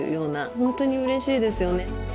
ホントにうれしいですよね。